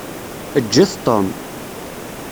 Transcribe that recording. Ǧǧet Tom.